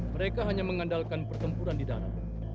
mereka hanya mengandalkan pertempuran di darat